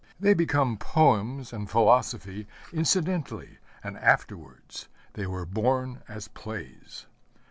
They become poems and philosophy incidentally, and afterwards: they were born as plays.